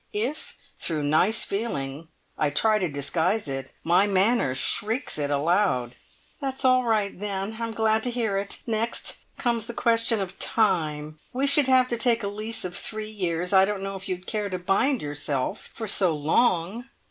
If, through nice feeling, I try to disguise it, my manner shrieks it aloud!" "That's all right then. I'm glad to hear it. Next comes the question of time. We should have to take a lease of three years. I don't know if you'd care to bind yourself for so long."